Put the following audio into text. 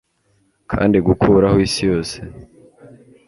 Kandi gukuraho isi yose